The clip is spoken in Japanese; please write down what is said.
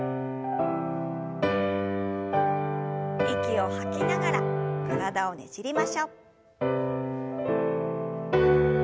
息を吐きながら体をねじりましょう。